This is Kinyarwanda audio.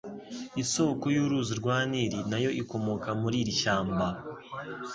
Isoko y'uruzi rwa Nili na yo ikomoka muri iri shyamba.